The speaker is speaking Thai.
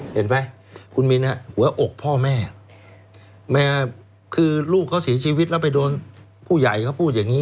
เห็นไหมคุณมินหัวอกพ่อแม่แม่คือลูกเขาเสียชีวิตแล้วไปโดนผู้ใหญ่เขาพูดอย่างนี้